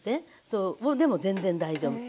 そうもうでも全然大丈夫。